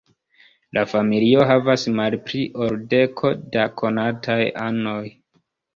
La familio havas malpli ol deko da konataj anoj.